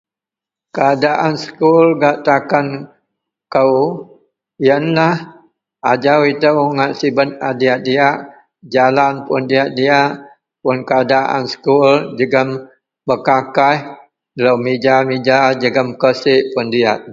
Keadaan sekul gak takan kou iyenlah ajau ito nak sibet a diyak-diyak jalan puon diyak-diyak keadaan sekul bekakaih jegem meja jegem kerisiek i